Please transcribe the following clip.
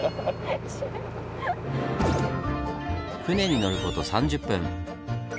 船に乗ること３０分。